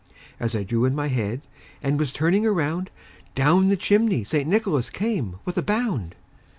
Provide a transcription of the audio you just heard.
As I drew in my head, and was turning around, Down the chimney St. Nicholas came with a bound.